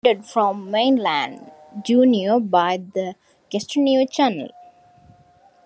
It is separated from mainland Juneau by the Gastineau Channel.